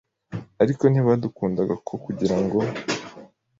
ariko ntibadukundaga kuko kugirango